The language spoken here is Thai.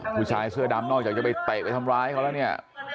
ผู้ชายเสื้อดำนอกจากจะไปเตะไปทำร้ายเขาแล้วเนี่ย